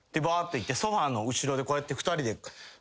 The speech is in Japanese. ばって行ってソファの後ろでこうやって２人で。